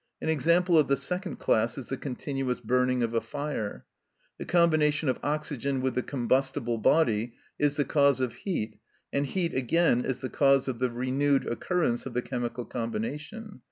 An example of the second class is the continuous burning of a fire. The combination of oxygen with the combustible body is the cause of heat, and heat, again, is the cause of the renewed occurrence of the chemical combination.